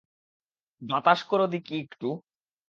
বাতাস করো দিকি একটু।